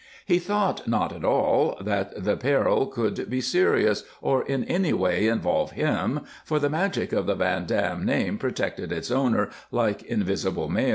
He thought not at all that the peril could be serious, or in any way involve him, for the magic of the Van Dam name protected its owner like invisible mail.